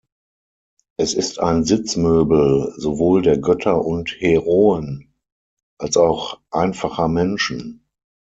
Es ist ein Sitzmöbel sowohl der Götter und Heroen, als auch einfacher Menschen.